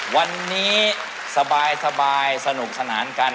วันนี้สบายสนุกสนานกัน